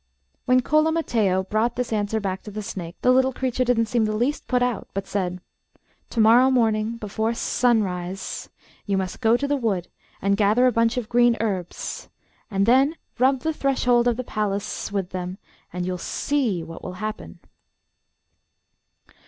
When Cola Mattheo brought this answer back to the snake, the little creature didn't seem the least put out, but said, 'To morrow morning, before sunrise, you must go to the wood and gather a bunch of green herbs, and then rub the threshold of the palace with them, and you'll see what will happen.